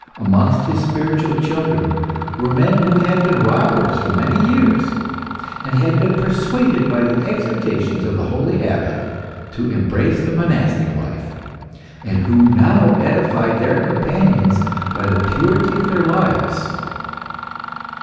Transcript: Amongst his spiritual children were men who had been robbers for many years, and had been persuaded by the exhortations of the holy abbot to embrace the monastic life, and who now edified their companions by the purity of their lives.